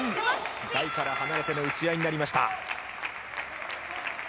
台から離れての打ち合いになりました。